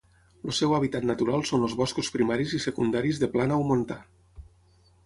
El seu hàbitat natural són els boscos primaris i secundaris de plana o montà.